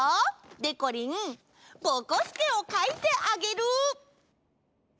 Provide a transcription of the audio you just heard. でこりんぼこすけをかいてあげる！